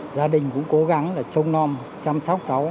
gia đình cũng cố gắng là trông non chăm sóc cháu